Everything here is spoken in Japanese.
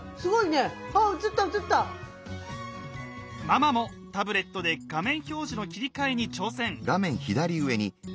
ママもタブレットで画面表示の切り替えに挑戦！